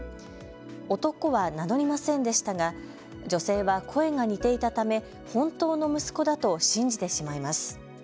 男は名乗りませんでしたが女性は声が似ていたため本当の息子だと信じてしまいます。